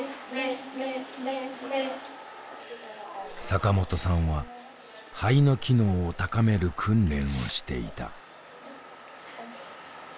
坂本さんは肺の機能を高める訓練をしていた。